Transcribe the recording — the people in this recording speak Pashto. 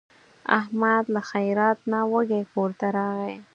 احمد له خیرات نه وږی کورته راغی.